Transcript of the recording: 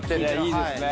いいですね。